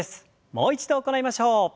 もう一度行いましょう。